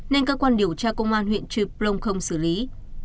nên cơ quan điều tra công an huyện trư prong không xử lý